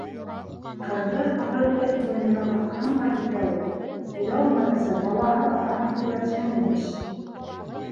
Ҡыҙҙы ҡыҙыл эт муйынына таҡһаң да, китә ул. Оялмайынса, балаһы атаһын өйрәтһен, имеш.